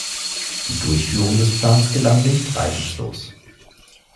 Die Durchführung des Planes gelang nicht reibungslos.